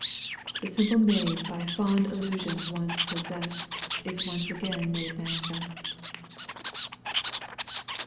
The simple maid By fond illusions once possest Is once again made manifest.